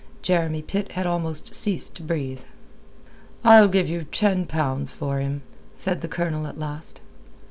Jeremy Pitt had almost ceased to breathe. "I'll give you ten pounds for him," said the Colonel at last.